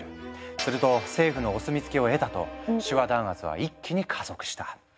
すると政府のお墨付きを得たと手話弾圧は一気に加速した。